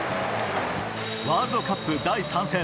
ワールドカップ第３戦。